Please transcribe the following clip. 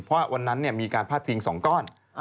เพราะวันนั้นเนี่ยมีการพาดพิงสองก้อน